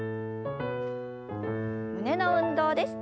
胸の運動です。